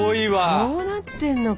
こうなってんのか。